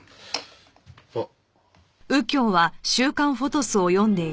あっ。